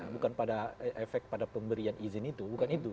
bukan efek pada imb nya bukan efek pada pemberian izin itu bukan itu